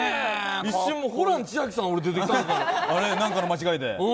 一瞬、ホラン千秋さん出てきたのかと何かの間違いで。